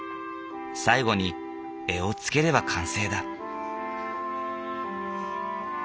最後に柄をつければ完成だ。